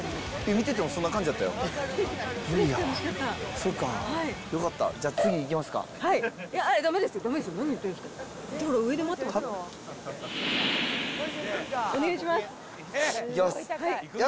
見ててもそんな感じやったよ。